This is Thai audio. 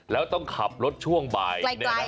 แล้วต้องขับรถช่วงบ่าย